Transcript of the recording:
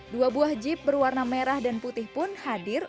dua buah jeep berwarna merah dan putih pun hadir